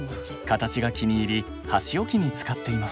形が気に入り箸置きに使っています。